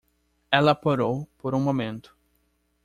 Ela parou por um momento.